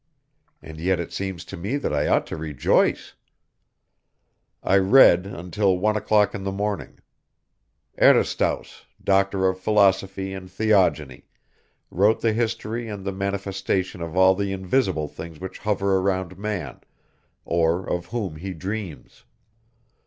And yet it seems to me that I ought to rejoice. I read until one o'clock in the morning! Herestauss, Doctor of Philosophy and Theogony, wrote the history and the manifestation of all those invisible beings which hover around man, or of whom he dreams.